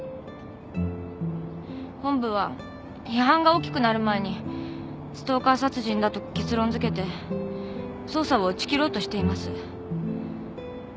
本部は批判が大きくなる前にストーカー殺人だと結論づけて捜査を打ち切ろうとしています。